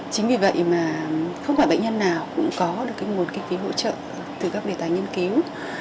chính vì vậy mà không phải bệnh nhân nào cũng có được nguồn kinh phí hỗ trợ từ các đề tài nghiên cứu